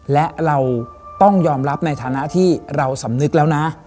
และเราต้องยอมรับในฐานะที่เราสำนึกแล้วนะ